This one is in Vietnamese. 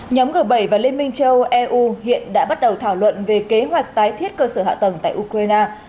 nhóm g bảy và liên minh châu âu eu hiện đã bắt đầu thảo luận về kế hoạch tái thiết cơ sở hạ tầng tại ukraine